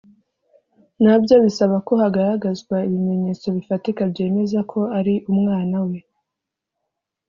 na byo bisaba ko hagaragazwa ibimenyetso bifatika byemeza ko ari umwana we.